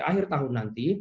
akhir tahun nanti